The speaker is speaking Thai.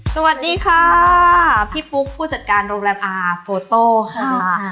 สวัสดีค่ะพี่ปุ๊กผู้จัดการโรงแรมอาร์โฟโต้ค่ะ